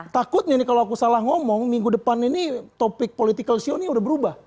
takutnya nih kalau aku salah ngomong minggu depan ini topik political show ini udah berubah